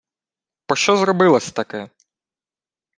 — Пощо зробила-с таке?